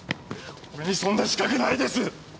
俺にそんな資格ないです！